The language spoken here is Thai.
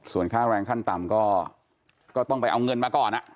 ส่วนค่าแรงขั้นต่ำก็ต้องไปเอาเงินมาก่อน